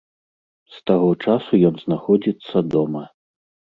З таго часу ён знаходзіцца дома.